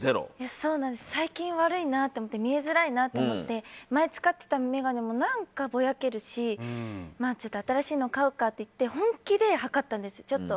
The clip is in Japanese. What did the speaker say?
最近、見えづらいなと思って前使っていた眼鏡も何かぼやけるしまあ、新しいの買うかって言って本気で測ったんです。